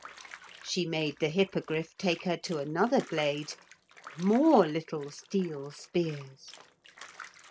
She made the Hippogriff take her to another glade more little steel spears.